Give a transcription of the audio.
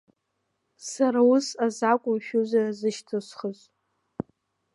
Сара ус азакәым шәҩызара зышьҭысхыз.